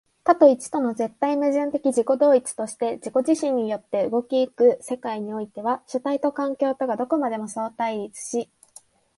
多と一との絶対矛盾的自己同一として自己自身によって動き行く世界においては、主体と環境とがどこまでも相対立し、